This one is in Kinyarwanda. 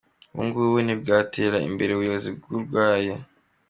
‘‘Ubukungu ntibwatera imbere ubuyobozi burwaye”